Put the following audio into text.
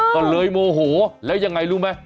ก็เลยโมโหแล้วยังไงรู้ไหม